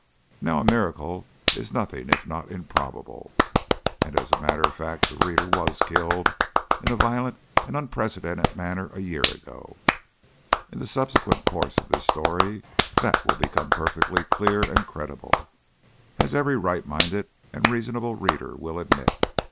Now a miracle is nothing if not improbable, and as a matter of fact the reader was killed in a violent and unprecedented manner a year ago. In the subsequent course of this story that will become perfectly clear and credible, as every right minded and reasonable reader will admit.